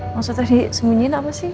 maksudnya disembunyikan apa sih